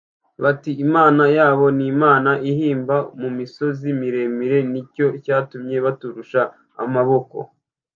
bati “Imana yabo ni imana ihimba mu misozi miremire, ni cyo cyatumye baturusha amaboko